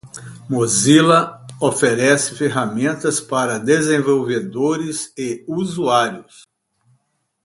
Mozilla oferece ferramentas para desenvolvedores e usuários.